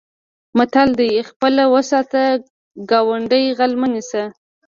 متل دی: خپل و ساته ګاونډی غل مه نیسه.